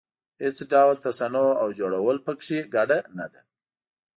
هېڅ ډول تصنع او جوړول په کې ګډه نه ده.